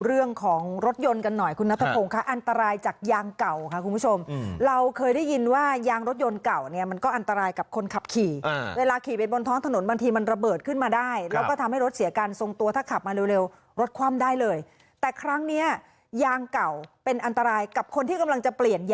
เรื่องของรถยนต์กันหน่อยคุณนัทพงศ์ค่ะอันตรายจากยางเก่าค่ะคุณผู้ชมเราเคยได้ยินว่ายางรถยนต์เก่าเนี่ยมันก็อันตรายกับคนขับขี่เวลาขี่ไปบนท้องถนนบางทีมันระเบิดขึ้นมาได้แล้วก็ทำให้รถเสียการทรงตัวถ้าขับมาเร็วรถคว่ำได้เลยแต่ครั้งเนี้ยยางเก่าเป็นอันตรายกับคนที่กำลังจะเปลี่ยน